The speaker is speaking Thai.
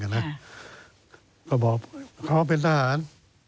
เขาบอกเขาก็เป็นทหาร